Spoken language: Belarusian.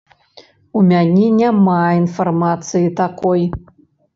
У мяне няма інфармацыі такой.